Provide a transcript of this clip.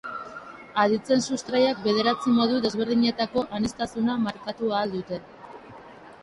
Aditzen sustraiak bederatzi modu desberdinetako aniztasuna markatu ahal dute.